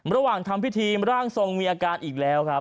ระหว่างทำพิธีร่างทรงมีอาการอีกแล้วครับ